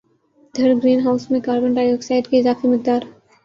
دھر green house میں carbon ڈائی oxide کی اضافی مقدار